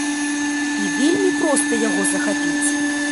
І вельмі проста яго захапіць.